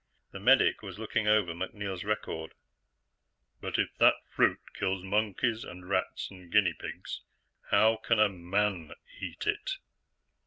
The medic was looking over MacNeil's record. "But if that fruit kills monkeys and rats and guinea pigs, how can a man eat it?"